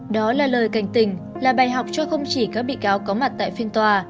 đó là lời cảnh tình là bài học cho không chỉ các bị cáo có mặt tại phiên tòa